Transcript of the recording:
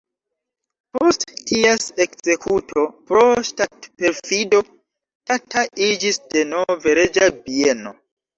Post ties ekzekuto pro ŝtatperfido Tata iĝis denove reĝa bieno.